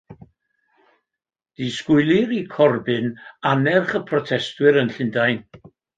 Disgwylir i Corbyn annerch y protestwyr yn Llundain.